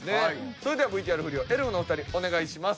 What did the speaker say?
それではＶＴＲ振りをエルフのお二人お願いします。